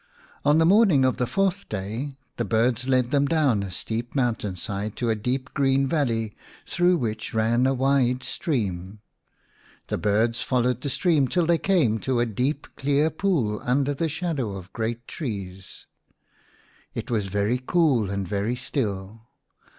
On the morning of the fourth day the birds led them down a steep mountain side to a deep green valley through which ran a wide stream. The birds followed the stream till they came to a deep clear pool under the shadow of great trees. It was very cool and very still.